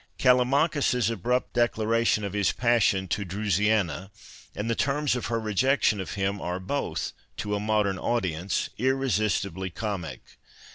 Callimachus's abrupt declaration of his passion to Drusiana and the terms of her rejection of him are botli, to a modern audience, irresistibly comic.